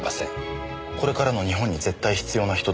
これからの日本に絶対必要な人です。